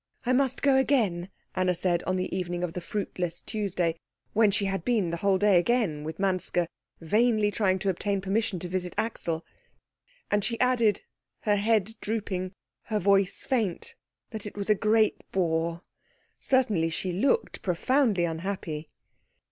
"I must go again," Anna said on the evening of the fruitless Tuesday, when she had been the whole day again with Manske, vainly trying to obtain permission to visit Axel; and she added, her head drooping, her voice faint, that it was a great bore. Certainly she looked profoundly unhappy.